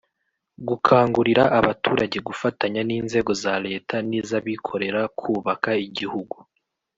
gukangurira abaturage gufatanya n’inzego za leta n'iz'abikorera kubaka igihugu